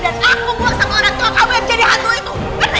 dan aku buang sama orang tua kamu yang jadi hantu itu